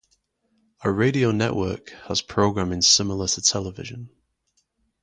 A radio network has programming similar to television.